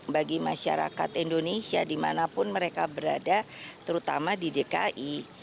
bagi masyarakat indonesia dimanapun mereka berada terutama di dki